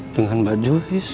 dengan mbak juhis